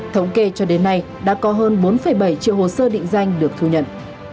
thống kê cho đến nay đã có hơn bốn bảy triệu hồ sơ định danh được thu nhận